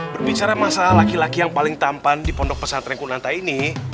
berbicara masalah laki laki yang paling tampan di pondok pesantren kunanta ini